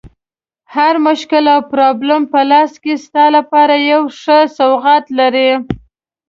هر مشکل او پرابلم په لاس کې ستا لپاره یو ښه سوغات لري.